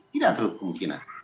tidak terutup kemungkinan